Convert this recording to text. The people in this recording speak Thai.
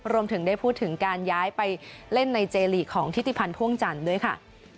รวมถึงได้พูดถึงการย้ายไปเล่นในเจลีกของทิติพันธ์พ่วงจันทร์ด้วยค่ะ